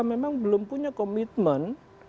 memang belum punya komitmen